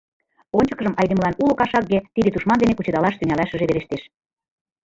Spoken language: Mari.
Ончыкыжым айдемылан уло кашакге тиде тушман дене кучедалаш тӱҥалашыже верештеш.